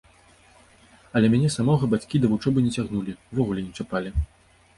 Але мяне самога бацькі да вучобы не цягнулі, увогуле не чапалі.